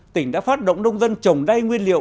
tỉnh đã phát động nông dân trồng đay nguyên liệu